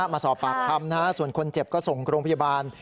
มาสอบปากคำส่วนคนเจ็บก็ส่งโรงพยาบาล